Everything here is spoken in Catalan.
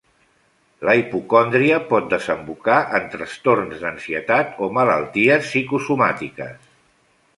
La hipocondria pot desembocar en trastorns d'ansietat o malalties psicosomàtiques.